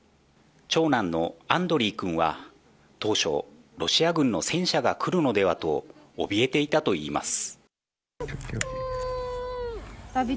長男のアンドリーくんは当初、ロシア軍の戦車が来るのではと怯えていたといいます。